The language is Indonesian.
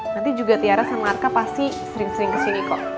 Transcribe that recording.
nanti juga tiara sama arka pasti sering sering kesini kok